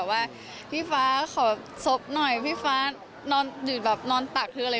พี่ฟ้าขอซบหน่อยพี่ฟ้าหยุดแบบนอนตักหรืออะไร